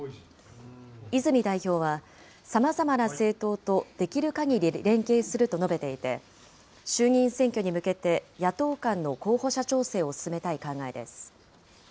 泉代表は、さまざまな政党とできるかぎり連携すると述べていて、衆議院選挙に向けて野党間の候補者調整を進めたい考えです。